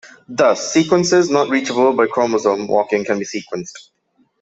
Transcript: Thus, sequences not reachable by chromosome walking can be sequenced.